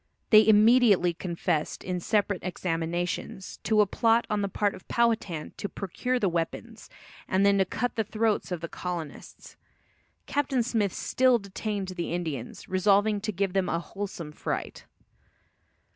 They immediately confessed, in separate examinations, to a plot on the part of Powhatan to procure the weapons, and then to cut the throats of the colonists. Captain Smith still detained the Indians, resolving to give them a wholesome fright.